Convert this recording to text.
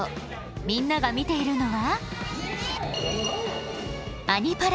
みんなが見ているのは。